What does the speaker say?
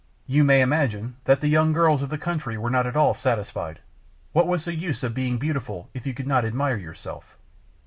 You may imagine that the young girls of the country were not at all satisfied. What was the use of being beautiful if you could not admire yourself?